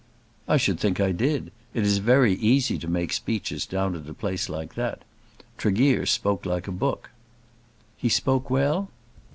"I should think I did. It is very easy to make speeches down at a place like that. Tregear spoke like a book." "He spoke well?"